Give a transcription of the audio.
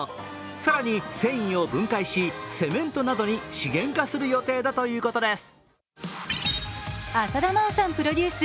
更に繊維を分解し、セメントなどに資源化する予定だということです。